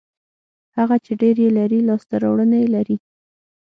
هغه چې ډېر یې لري لاسته راوړنې لري.